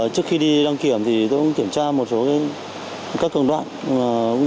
trước khi đi đăng kiểm thì tôi cũng kiểm tra một số các công đoạn